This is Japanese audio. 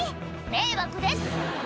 迷惑です！